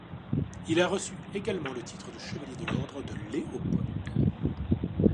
Il a reçu également le titre de Chevalier de l'Ordre de Léopold.